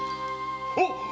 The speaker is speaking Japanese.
あっ！